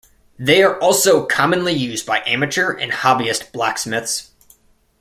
They are also commonly used by amateur and hobbyist blacksmiths.